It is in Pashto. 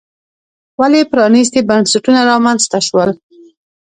ولې پرانیستي بنسټونه رامنځته شول.